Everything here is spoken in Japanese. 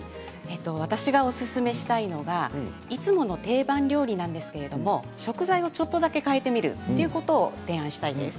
私がおすすめしたいのがいつもの定番料理なんですけれども食材をちょっとだけ変えてみるということを提案したいんです。